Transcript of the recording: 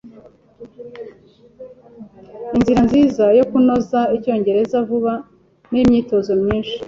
Inzira nziza yo kunoza icyongereza vuba ni imyitozo myinshi.